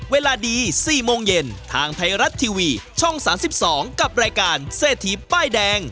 เวลาดี๔โมงเย็นทางไทยรัฐทีวีช่อง๓๒กับรายการเศรษฐีป้ายแดง